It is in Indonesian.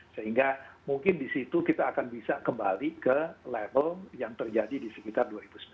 sehingga mungkin di situ kita akan bisa kembali ke level yang terjadi di sekitar dua ribu sembilan belas